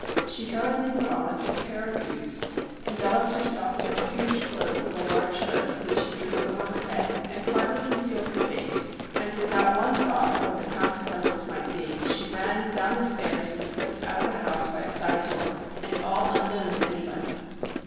She hurriedly put on a thick pair of boots ; enveloped herself in a huge cloak with a large hood that she drew over her head, and partly concealed her face, and, with out one thought of what the consequences might be, she ran down the stairs and slipped out of the house by a side door, and' all unknown to anybody.